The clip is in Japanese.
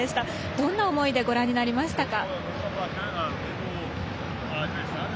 どんな思いでご覧になりましたか。